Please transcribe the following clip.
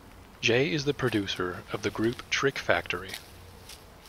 Jay is the producer of the group Trick Factory.